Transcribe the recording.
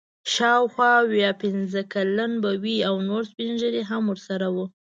شاوخوا اویا پنځه کلن به وي او نور سپین ږیري هم ورسره وو.